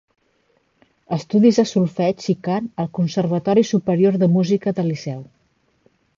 Estudis de solfeig i cant al Conservatori Superior de Música del Liceu.